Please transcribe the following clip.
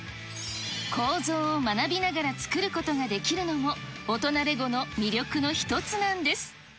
構造を学びながら作ることができるのも、大人レゴの魅力の一つなんです。